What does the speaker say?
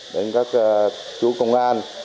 đến các chú công an